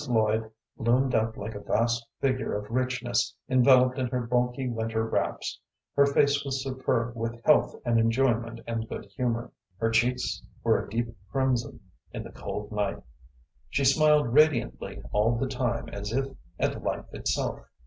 Lloyd loomed up like a vast figure of richness enveloped in her bulky winter wraps; her face was superb with health and enjoyment and good humor. Her cheeks were a deep crimson in the cold wind; she smiled radiantly all the time as if at life itself.